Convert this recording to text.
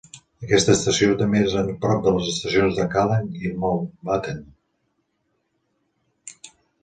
Aquesta estació també és a prop de les estacions de Kallang i Mountbatten.